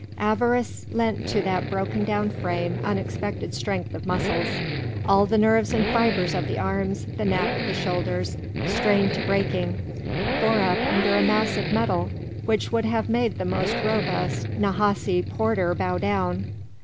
Avarice lent to that broken down frame unexpected strength of muscles; all the nerves and fibres of the arms, the neck, the shoulders, strained to breaking, bore up under a mass of metal which would have made the most robust Nahasi porter bow down.